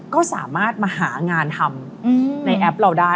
ก็สามารถมาหางานทำในแอปเราได้